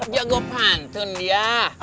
jago pantun ya